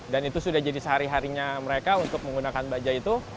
dan itu sudah jadi sehari harinya mereka untuk menggunakan bajaj itu